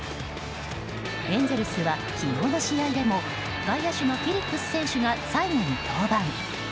エンゼルスは、昨日の試合でも外野手のフィリップス選手が最後に登板。